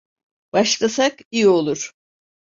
Başlasak iyi olur.